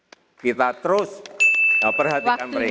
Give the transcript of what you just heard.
sekarang ini kita terus perhatikan mereka